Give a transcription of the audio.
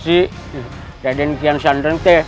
bisa ditalakannya iklan dengan tuhan